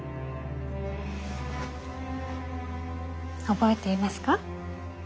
覚えていますか？